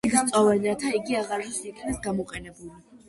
წიგნს წვავენ, რათა იგი აღარასოდეს იქნას გამოყენებული.